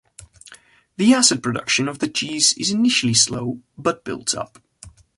The acid production of the cheese is initially slow, but builds up.